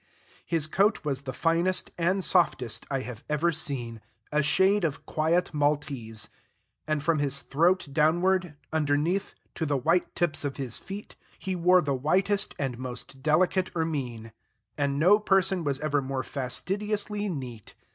His coat was the finest and softest I have ever seen, a shade of quiet Maltese; and from his throat downward, underneath, to the white tips of his feet, he wore the whitest and most delicate ermine; and no person was ever more fastidiously neat.